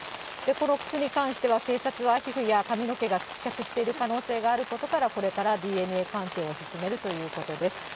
この靴に関しては、警察は皮膚や髪の毛が付着している可能性があるから、これからＤＮＡ鑑定を進めるということです。